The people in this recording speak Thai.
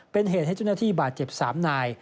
เป็นเหตุให้เจ้าหน้าที่บาดเจ็บ๓นาย